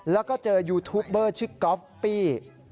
แล้วก็เจอยูทูปเบอร์ชื่อก๊อฟปี้